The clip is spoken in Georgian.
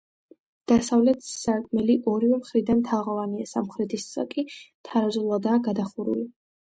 დასავლეთ სარკმელი ორივე მხრიდან თაღოვანია, სამხრეთისა კი თარაზულადაა გადახურული.